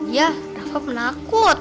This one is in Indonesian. iya rafa penakut